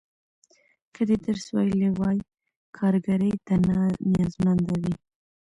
که دې درس ویلی وای، کارګرۍ ته نه نیازمنده وې.